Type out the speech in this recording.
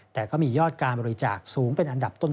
แต่ก็มียอดการบริจาคสูงเป็นอันดับต้น